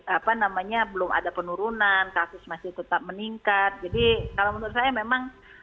apa namanya belum ada penurunan kasus masih tetap meningkat jadi kalau menurut saya memang